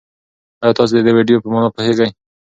ایا تاسي د دې ویډیو په مانا پوهېږئ؟